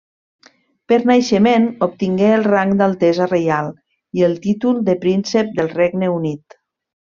Per naixement obtingué el rang d'altesa reial i el títol de príncep del Regne Unit.